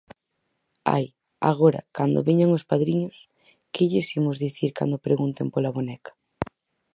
Ai, agora, cando veñan os padriños, ¿que lles imos dicir cando pregunten pola boneca?